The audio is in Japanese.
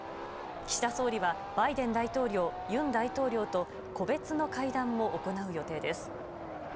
岸田総理はバイデン大統領尹大統領と個別の会談も行う予定です。